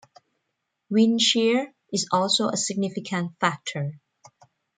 Wind shear is also a significant factor.